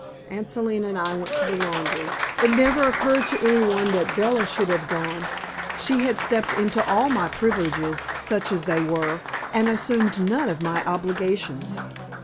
Aunt Selina and I went to the laundry. It never occurred to any one that Bella should have gone; she had stepped into all my privileges such as they were and assumed none of my obligations.